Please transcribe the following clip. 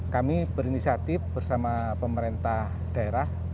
kami berinisiatif bersama pemerintah daerah